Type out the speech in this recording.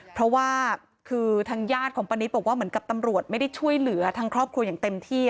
เพราะว่าคือทางญาติของป้านิตบอกว่าเหมือนกับตำรวจไม่ได้ช่วยเหลือทางครอบครัวอย่างเต็มที่